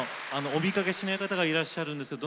お見かけしない方がいらっしゃるんですが